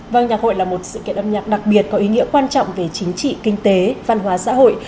vâng nhạc hội là một sự kiện âm nhạc đặc biệt có ý nghĩa quan trọng về chính trị kinh tế văn hóa xã hội